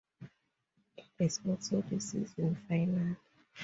It is also the season finale.